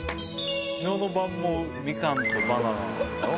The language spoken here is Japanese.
昨日の晩もみかんとバナナだろう？